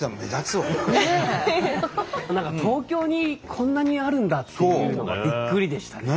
何か東京にこんなにあるんだっていうのがびっくりでしたね。